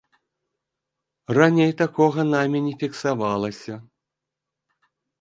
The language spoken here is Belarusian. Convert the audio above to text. Раней такога намі не фіксавалася.